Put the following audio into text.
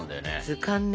図鑑ね。